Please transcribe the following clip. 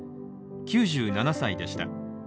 ９７歳でした。